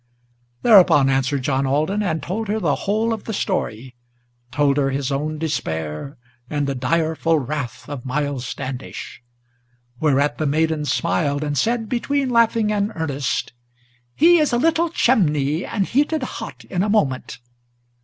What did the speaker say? Thereupon answered John Alden, and told her the whole of the story, Told her his own despair, and the direful wrath of Miles Standish. Whereat the maiden smiled, and said between laughing and earnest, "He is a little chimney, and heated hot in a moment!"